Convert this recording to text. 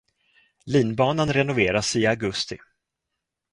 Linbanan renoveras i augusti.